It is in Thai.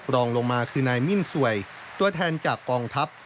รองลงมาคือนายมิ้นสวยตัวแทนจากกองทัพ